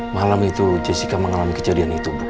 malam itu jessica mengalami kejadian itu